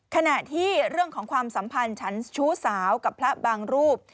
ขณะที่เรื่องของความสัมพันธ์ฉันชู้สาวกับพระบางรูป